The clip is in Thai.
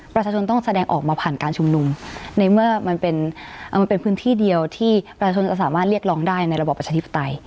ประชาชนต้องแสดงออกมาผ่านการชุมนุมในเมื่อมันเป็นพื้นที่เดียวที่ประชาชนจะสามารถเรียกร้องได้ในระบอบประชาธิปไตย